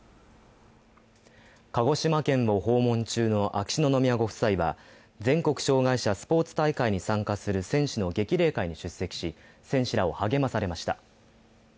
鹿児島県を訪問中の秋篠宮ご夫妻は全国障害者スポーツ大会に参加する選手の激励会に出席し選手らを励まされました。